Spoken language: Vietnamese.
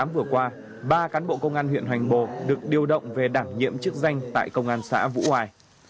vừa qua ba cán bộ công an huyện hoành bồ được điều động về đảm nhiệm chức danh tại công an xã vũ hoài